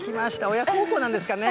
親孝行なんですかね。